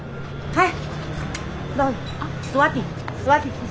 はい。